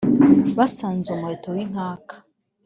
basanze umuheto w' inkaka